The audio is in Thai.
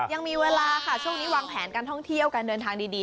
ยังมีเวลาค่ะช่วงนี้วางแผนการท่องเที่ยวการเดินทางดี